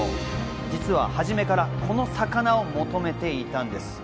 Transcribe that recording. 実は初めからこの魚を求めていたんです。